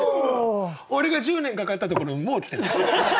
俺が１０年かかったところにもう来てんだ。